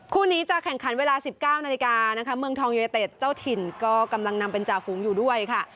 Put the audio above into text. คู่นี้จะแข่งขันเวลา๑๙นาฬิกานะคะเมืองทองยูเนเต็ดเจ้าถิ่นก็กำลังนำเป็นจ่าฝูงอยู่ด้วยค่ะ